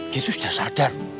dia itu sudah sadar